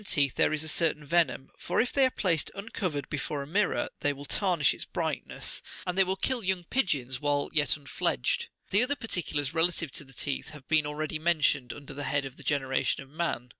Gl teeth there is a certain venom ; for if they are placed uncovered before a mirror, the)' will tarnish its brightness, and they will kill young pigeons while yet unfledged. The other parti culars relative to the teeth have been already47 mentioned under the head of the generation of man.